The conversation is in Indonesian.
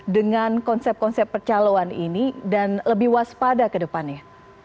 dengan konsep konsep percaloan ini dan lebih waspada ke depannya